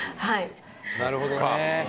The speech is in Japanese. なるほどね。